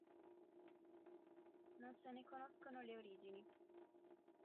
Non se ne conoscono le origini.